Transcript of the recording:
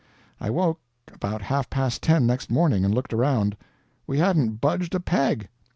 I awoke about half past ten next morning, and looked around. We hadn't budged a peg!